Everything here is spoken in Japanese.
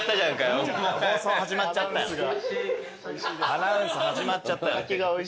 アナウンス始まっちゃった。